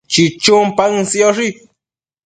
chichun paën sioshi